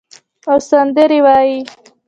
او سندرې وایې